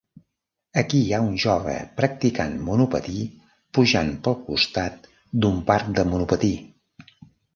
Aquí hi ha un jove practicant monopatí pujant pel costat d'un parc de monopatí.